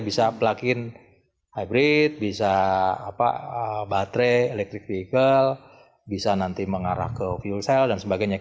bisa plug in hybrid bisa baterai electric vehicle bisa nanti mengarah ke fuel cell dan sebagainya